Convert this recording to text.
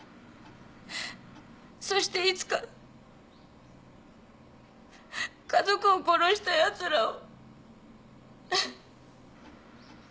そしていつか家族を殺したヤツらを。